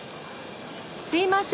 すいません。